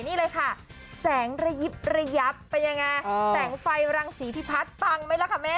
นี่เลยค่ะแสงระยิบระยับเป็นยังไงแสงไฟรังศรีพิพัฒน์ปังไหมล่ะค่ะแม่